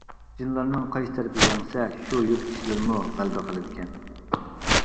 جىنلارنىڭ قايسى تەرىپى يەڭسە، شۇ يۇرت كىشىلىرىمۇ غەلىبە قىلىدىكەن.